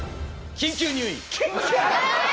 緊急入院！？